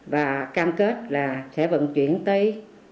và cam kết là sẽ vận chuyển tới